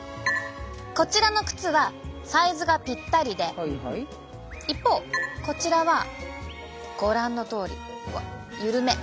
こちらの靴はサイズがぴったりで一方こちらはご覧のとおりゆるめ。